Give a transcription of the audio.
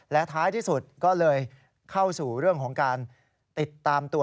และท้ายที่สุดก็เลยเข้าสู่เรื่องของการติดตามตัว